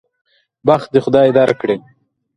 بخت دې خدای درکړي.